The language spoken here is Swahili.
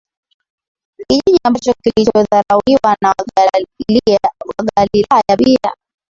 Kijiji ambacho kilichodharauliwa na Wagalilaya pia